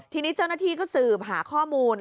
ทีนี้เจ้าหน้าที่ก็สืบหาข้อมูล